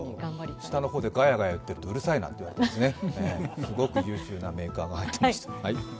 下の方でガヤガヤやっているとうるさいなんて言われまして、すごく優秀なメーカーが入っていました。